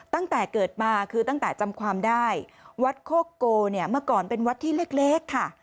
ตั้งแต่เกิดมาคือตั้งแต่จำความได้วัดโคโกเนี่ยเมื่อก่อนเป็นวัดที่เล็กค่ะ